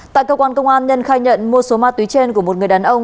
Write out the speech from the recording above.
tại cơ quan công an nhân khai nhận mua số ma túy trên của một người đàn ông